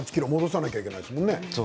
８ｋｇ戻さなきゃいけないですよね。